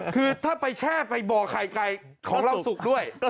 คือถ้าไปแช่ไปบ่อไข่ไก่ของเราสุกด้วย